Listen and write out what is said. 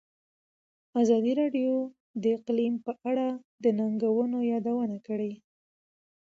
ازادي راډیو د اقلیم په اړه د ننګونو یادونه کړې.